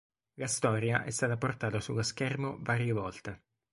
La storia è stata portata sullo schermo varie volte.